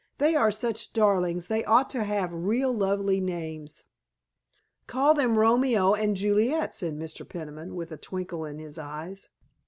"They are such darlings they ought to have real lovely names." "Call them Romeo and Juliet," said Mr. Peniman, with a twinkle in his eyes.